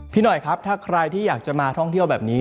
พี่หน่อยครับถ้าใครที่อยากจะมาท่องเที่ยวแบบนี้